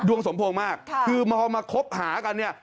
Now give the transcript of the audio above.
สมพงษ์มากคือพอมาคบหากันเนี่ย